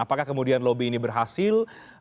apakah kemudian lobby ini berhasil